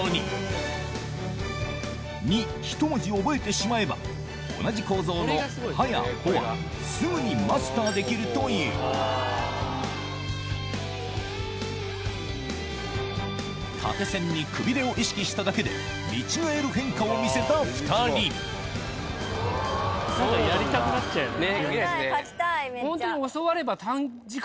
一文字を覚えてしまえば同じ構造の「は」や「ほ」はすぐにマスターできるという縦線にくびれを意識しただけで見違える変化を見せた２人やりたい書きたいめっちゃ。